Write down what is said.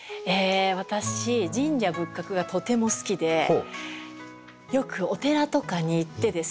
私神社仏閣がとても好きでよくお寺とかに行ってですね